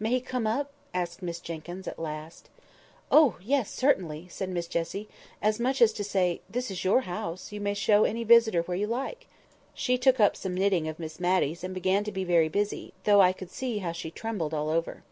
"May he come up?" asked Miss Jenkyns at last. "Oh, yes! certainly!" said Miss Jessie, as much as to say, this is your house, you may show any visitor where you like. She took up some knitting of Miss Matty's and began to be very busy, though I could see how she trembled all over.